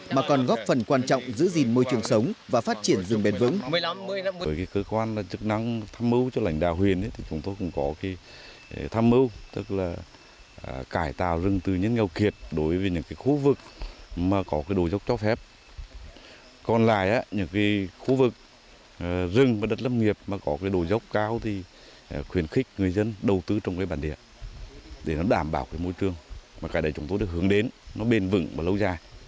mà còn góp phần quan trọng giữ gìn môi trường sống và phát triển rừng bền vững